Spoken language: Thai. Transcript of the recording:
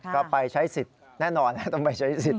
ก็ไปใช้สิทธิ์แน่นอนต้องไปใช้สิทธิ